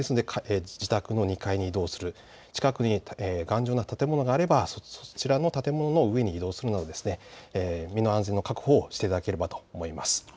ですので自宅の２階に移動する、近くに頑丈な建物があればそちらの建物の上に移動するなど身の安全の確保をしていただければと思います。